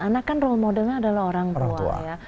anak kan role modelnya adalah orang tua ya